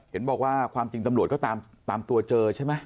เห็นบอกว่าความจริงตำรวจก็ตามตัวเจอใช่ไหม